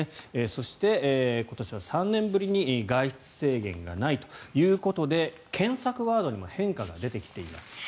そして、今年は３年ぶりに外出制限がないということで検索ワードにも変化が出てきています。